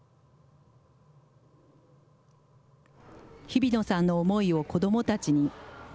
日比野さんの思いを子どもたちに。